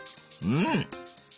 うん！